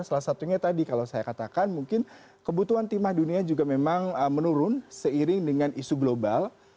salah satunya tadi kalau saya katakan mungkin kebutuhan timah dunia juga memang menurun seiring dengan isu global